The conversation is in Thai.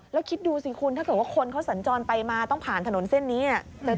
แล้วคิดดูสิคุณถ้าเกิดว่าคนเขาสัญจรไปมาต้องผ่านถนนเส้นนี้